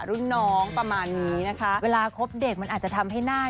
อื้ม